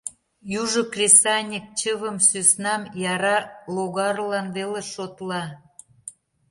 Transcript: Южо кресаньык чывым, сӧснам яра логарлан веле шотла.